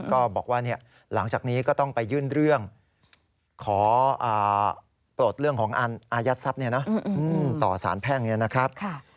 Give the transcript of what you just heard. ก็บอกว่าหลังจากนี้ก็ต้องไปยื่นเรื่องขอปลดเรื่องของอายัดทรัพย์ต่อสารแพ่งนี้นะครับ